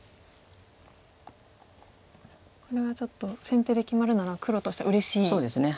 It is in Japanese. これはちょっと先手で決まるなら黒としてはうれしいですね。